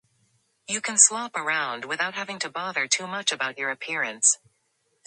You can slop around without having to bother too much about your appearance.